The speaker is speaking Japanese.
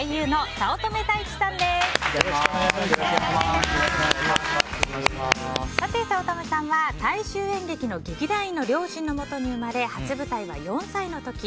早乙女さんは大衆演劇の劇団員の両親のもとに生まれ初舞台は４歳の時。